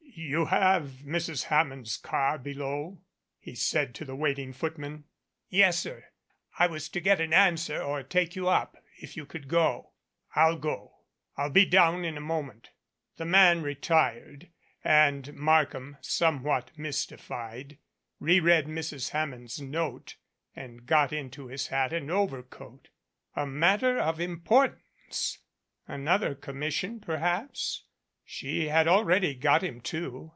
"You have Mrs. Hammond's car below?" he said to the waiting footman. 306 THE SEATS OF THE MIGHTY "Yes, sir. I was to get an answer or take you up, if you could go." "I'll go. I'll be down in a moment." The man retired, and Markham, somewhat mystified, reread Mrs. Hammond's note and got into his hat and overcoat. A matter of importance ! Another commission, perhaps she had already got him two.